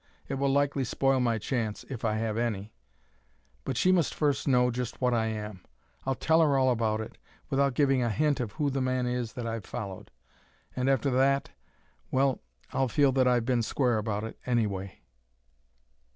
It will likely spoil my chance if I have any but she must first know just what I am. I'll tell her all about it, without giving a hint of who the man is that I've followed. And after that well, I'll feel that I've been square about it, anyway."